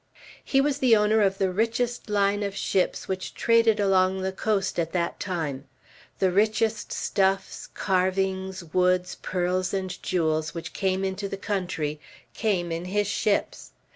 He was the owner of the richest line of ships which traded along the coast at that time; the richest stuffs, carvings, woods, pearls, and jewels, which came into the country, came in his ships.